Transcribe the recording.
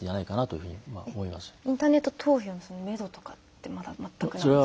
インターネット投票のめどとかって全くないんですか。